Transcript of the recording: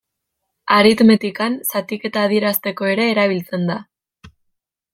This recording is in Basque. Aritmetikan, zatiketa adierazteko ere erabiltzen da.